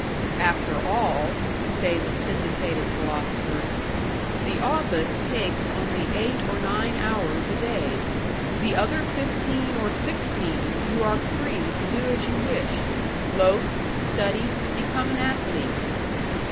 "After all," say the syndicated philosophers, "the office takes only eight or nine hours a day. The other fifteen or sixteen, you are free to do as you wish loaf, study, become an athlete."